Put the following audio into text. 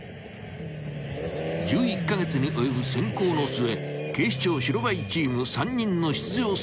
［１１カ月に及ぶ選考の末警視庁白バイチーム３人の］